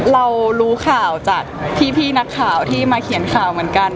เรารู้ข่าวจากพี่นักข่าวที่มาเขียนข่าวเหมือนกัน